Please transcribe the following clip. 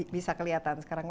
bisa kelihatan sekarang